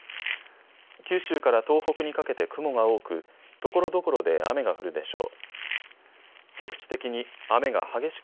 九州から東北にかけて雲が多くところどころで雨が降るでしょう。